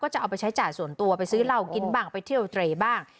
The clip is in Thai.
จะเอาไปใช้จ่ายส่วนตัวไปซื้อเหล้ากินบ้างไปเที่ยวเตรบ้าง